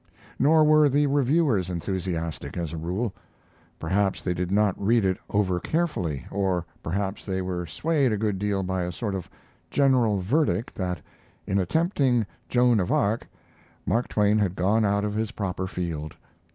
Nor were the reviewers enthusiastic, as a rule. Perhaps they did not read it over carefully, or perhaps they were swayed a good deal by a sort of general verdict that, in attempting 'Joan of Arc', Mark Twain had gone out of his proper field.